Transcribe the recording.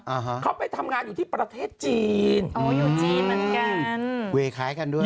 อ่าฮะเขาไปทำงานอยู่ที่ประเทศจีนอ๋ออยู่จีนเหมือนกันเวย์คล้ายกันด้วย